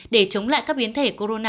để chống lại các biến thể corona